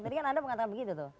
tadi kan anda mengatakan begitu tuh